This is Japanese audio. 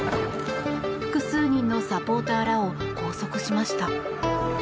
複数人のサポーターらを拘束しました。